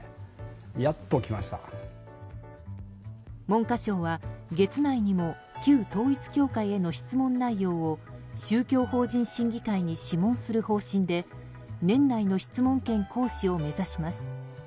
文科省は月内にも旧統一教会への質問内容を宗教法人審議会に諮問する方針で年内の質問権行使を目指します。